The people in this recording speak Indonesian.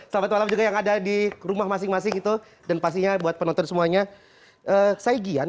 selamat malam juga yang ada di rumah masing masing itu dan pastinya buat penonton semuanya saya gian